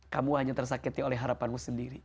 kamu hanya tersakiti oleh harapanmu sendiri